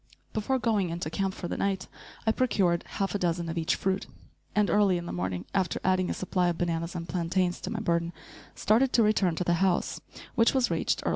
Before going into camp for the night, I procured half a dozen of each fruit, and, early in the morning, after adding a supply of bananas and plantains to my burden, started to return to the house, which was reached early in the evening.